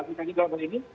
misalnya di dalam hal ini